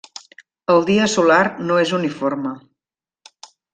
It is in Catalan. El dia solar no és uniforme.